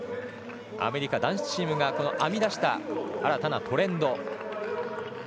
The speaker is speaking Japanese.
アメリカ男子チームが編み出した新たなトレンド。